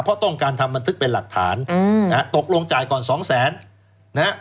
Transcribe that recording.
เพราะต้องการทำบันทึกเป็นหลักฐานตกลงจ่ายก่อน๒แสน